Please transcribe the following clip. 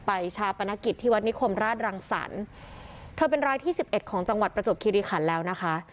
ชาปนกิจที่วัดนิคมราชรังสรรค์เธอเป็นรายที่สิบเอ็ดของจังหวัดประจวบคิริขันแล้วนะคะ